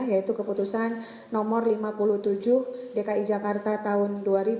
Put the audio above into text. yaitu keputusan nomor lima puluh tujuh dki jakarta tahun dua ribu dua puluh